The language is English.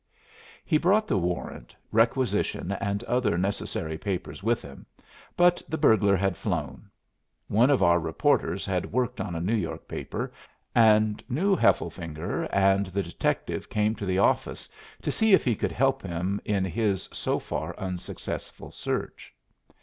He brought the warrant, requisition, and other necessary papers with him, but the burglar had flown. One of our reporters had worked on a New York paper, and knew Hefflefinger, and the detective came to the office to see if he could help him in his so far unsuccessful search.